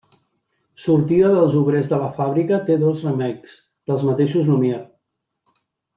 Sortida dels obrers de la fàbrica té dos remakes dels mateixos Lumière.